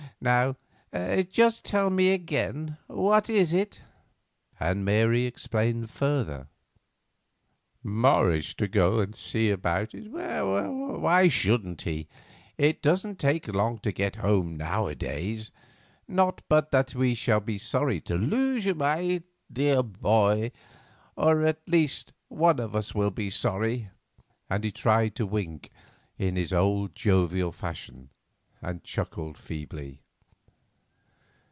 Now, just tell me again, what is it?" Mary explained further. "Morris to go and see about it. Well, why shouldn't he? It doesn't take long to get home nowadays. Not but that we shall be sorry to lose you, my dear boy; or, at least, one of us will be sorry," and he tried to wink in his old jovial fashion, and chuckled feebly.